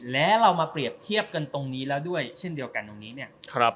และเรามาเปรียบเทียบกันตรงนี้แล้วด้วยเช่นเดียวกันตรงนี้เนี่ย